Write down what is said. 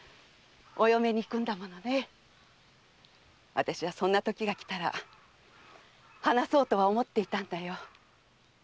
あたしはそんなときがきたら話そうとは思っていたんだよ。